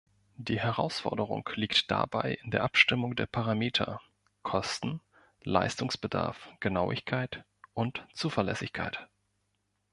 Die Herausforderung liegt dabei in der Abstimmung der Parameter Kosten, Leistungsbedarf, Genauigkeit und Zuverlässigkeit.